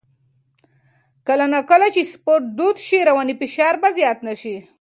کله نا کله چې سپورت دود شي، رواني فشار به زیات نه شي.